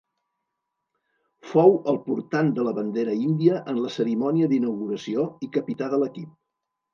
Fou el portant de la bandera índia en la cerimònia d'inauguració i capità de l'equip.